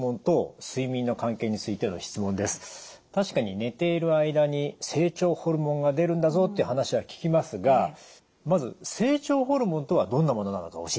確かに寝ている間に成長ホルモンが出るんだぞという話は聞きますがまず成長ホルモンとはどんなものなのか教えていただけますか？